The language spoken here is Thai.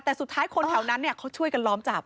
แต่สุดท้ายคนแถวนั้นเขาช่วยกันล้อมจับ